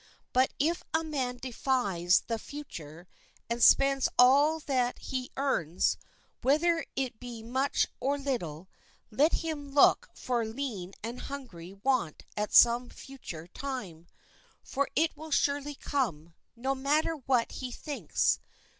But if a man defies the future, and spends all that he earns, whether it be much or little, let him look for lean and hungry want at some future time; for it will surely come, no matter what he thinks.